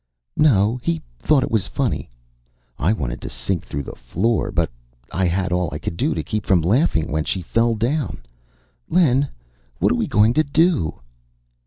"No. He thought it was funny. I wanted to sink through the floor, but I had all I could do to keep from laughing when she fell down.... Len, what are we going to do?"